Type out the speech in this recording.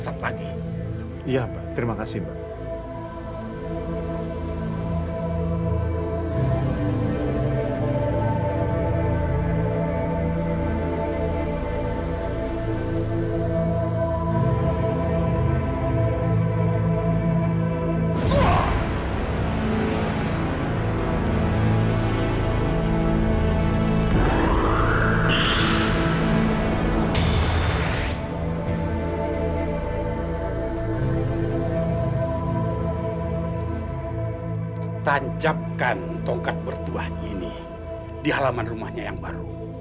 saya akan memberikan bekal yang lebih dasar lagi